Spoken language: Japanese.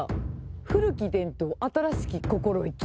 古き伝統、新しき心意気。